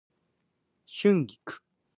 春菊